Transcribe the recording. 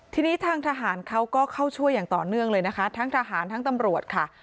ทีนี้ทางทหารเขาก็เข้าช่วยอย่างต่อเนื่องเลยนะคะทั้งทหารทั้งตำรวจค่ะ